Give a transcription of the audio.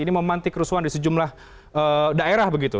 ini memantik kerusuhan di sejumlah daerah begitu